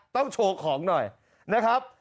ต้องโชว์ของหน่อยนะครับ